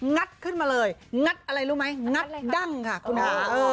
ัดขึ้นมาเลยงัดอะไรรู้ไหมงัดดั้งค่ะคุณค่ะ